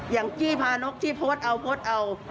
อย่างกี้พานกที่พดเอาพดเอา